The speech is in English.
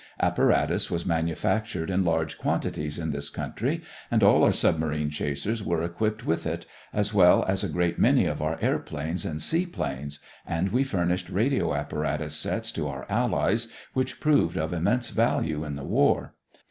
Apparatus was manufactured in large quantities in this country and all our submarine chasers were equipped with it, as well as a great many of our airplanes and seaplanes, and we furnished radio apparatus sets to our allies which proved of immense value in the war.